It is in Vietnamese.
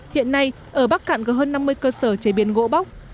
hiện nay ở bắc cạn có hơn năm mươi cơ sở chế biến gỗ bóc